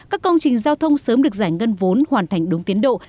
các công trình giao thông sớm được giải ngân vốn hoàn thành đúng tiến độ